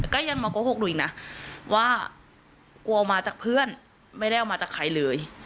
ก็ยังมาโกหกดูอีกนะว่ากลัวมาจากเพื่อนไม่ได้เอามาจากใครเลย